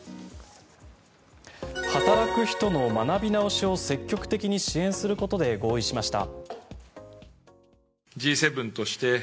働く人の学び直しを積極的に支援することで合意しました。